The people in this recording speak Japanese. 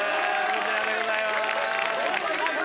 こちらでございます。